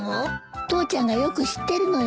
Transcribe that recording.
父ちゃんがよく知ってるのよ。